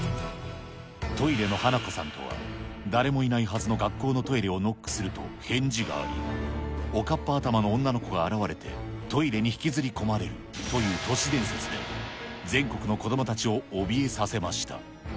トイレの花子さんとは、誰もいないはずの学校のトイレをノックすると、返事があり、おかっぱ頭の女の子が現れて、トイレに引きずり込まれるという都市伝説で、全国の子どもたちをおびえさせました。